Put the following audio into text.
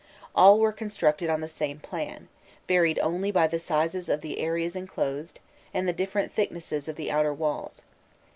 All were constructed on the same plan, varied only by the sizes of the areas enclosed, and the different thickness of the outer walls.